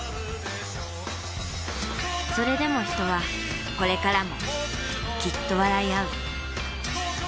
それでも人はこれからもきっと笑いあう。